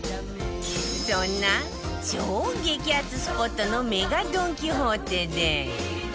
そんな超激アツスポットの ＭＥＧＡ ドン・キホーテで